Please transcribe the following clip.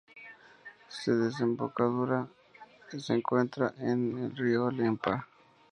Su desembocadura se encuentra en el río Lempa.